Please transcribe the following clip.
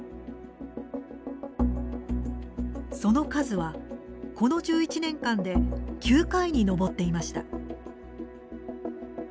その数は、この１１年間で９回に上っていました。